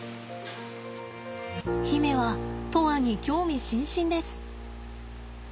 媛は砥愛に興味津々です。